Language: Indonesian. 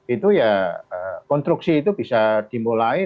itu ya konstruksi itu bisa dimulai